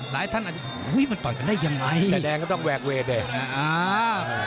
หลายท่านอุ๊ยมันต่อกันได้ยังไงแต่แดงก็ต้องแว่งเวทเนี่ย